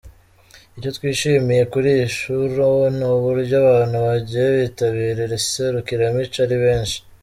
Icyo twishimiye kuri iyi nshuro ni uburyo abantu bagiye bitabira iri serukiramuco ari benshi.